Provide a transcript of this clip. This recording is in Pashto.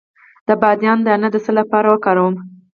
د بادیان دانه د څه لپاره وکاروم؟